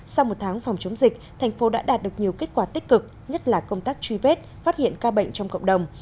sau một tháng phòng chống dịch thành phố đã đạt được nhiều kết quả tích cực nhất là công tác truy vết phát hiện ca bệnh trong cộng đồng